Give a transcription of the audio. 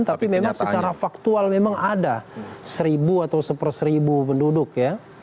tapi memang secara faktual memang ada seribu atau seper seribu penduduk ya